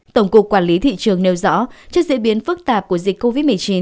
tổng cục quản lý thị trường nêu rõ trước diễn biến phức tạp của dịch covid một mươi chín